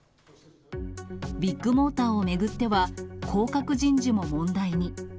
ビッグモーターを巡っては、降格人事も問題に。